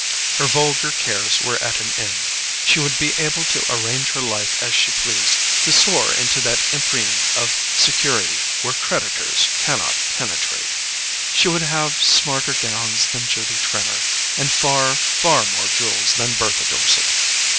Her vulgar cares were at an end. She would be able to arrange her life as she pleased, to soar into that empyrean of security where creditors cannot penetrate. She would have smarter gowns than Judy Trenor, and far, far more jewels than Bertha Dorset.